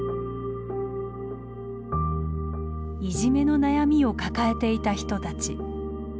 いじめの悩みを抱えていた人たち。